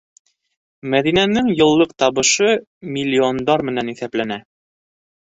«Мәҙинә»нең йыллыҡ табышы — миллиондар менән иҫәпләнә.